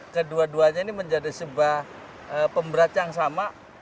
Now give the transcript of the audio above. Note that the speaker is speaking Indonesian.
keduanya ini menjadi sebuah pemberat yang sama